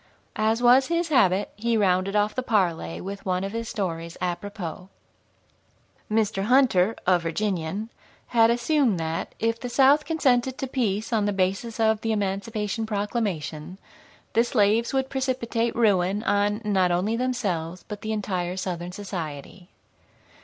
As was his habit, he rounded off the parley with one of his stories apropos. Mr. Hunter, a Virginian, had assumed that, if the South consented to peace on the basis of the Emancipation Proclamation, the slaves would precipitate ruin on not only themselves, but the entire Southern society.